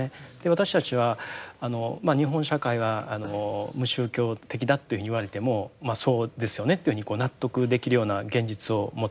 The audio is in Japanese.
私たちは日本社会が無宗教的だというふうに言われてもまっそうですよねというふうに納得できるような現実を持っています。